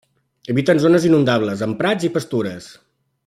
Habita en zones inundables, amb prats i pastures.